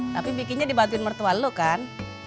tapi bikinnya dibantuin mertua lo kan